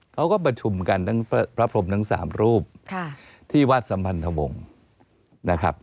เขาก็ประทุนกันพระภงลง๓รูปที่วัฒนธวงนะครับ